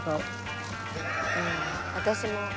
私も。